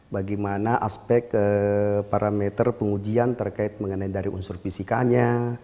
bagaimana aspek parameter pengujian terkait mengenai dari unsur fisikanya